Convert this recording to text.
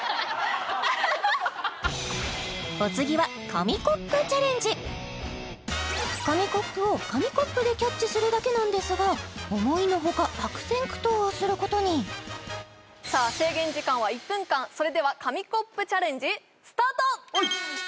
お次は紙コップチャレンジ紙コップを紙コップでキャッチするだけなんですが思いのほか悪戦苦闘をすることにさあ制限時間は１分間それでは紙コップチャレンジスタート！